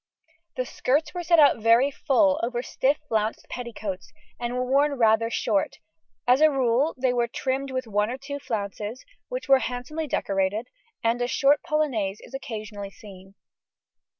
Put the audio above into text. ] The skirts were set out very full over stiff flounced petticoats, and were worn rather short; as a rule they were trimmed with one or two flounces, which were handsomely decorated, and a short polonaise is occasionally seen.